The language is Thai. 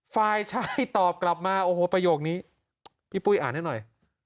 ฝ่ายชายตอบกลับมาโอ้โหประโยคนี้พี่ปุ้ยอ่านให้หน่อย